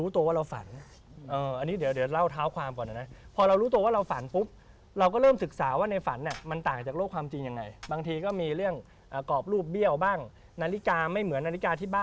ตอนนั้นขึ้นเครื่องบินปุ๊บจำพาอะไรขอให้เครื่องบินตก